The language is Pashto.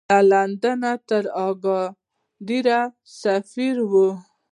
له لندنه تر اګادیره سفر و.